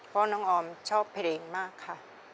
เพราะน้องออมชอบเพลงมากค่ะ